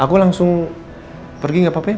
aku langsung pergi gak apa apa